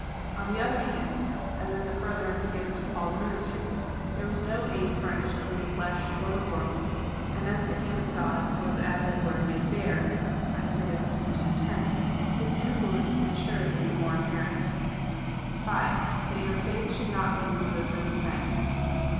On the other hand, as in the furtherance given to Paul's ministry, there was no aid furnished from the flesh or the world, and as the hand of God was as it were made bare, (Isaiah lii. 10,) his influence was assuredly the more ap parent. 5. That your faith should not be in the wisdom of men.